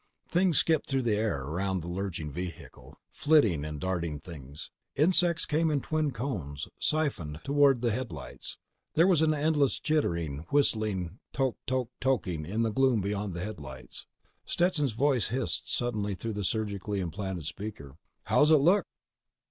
Things skipped through the air around the lurching vehicle: flitting and darting things. Insects came in twin cones, siphoned toward the headlights. There was an endless chittering whistling tok tok toking in the gloom beyond the lights. Stetson's voice hissed suddenly through the surgically implanted speaker: "How's it look?"